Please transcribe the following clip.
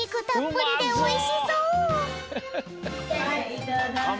いただきます。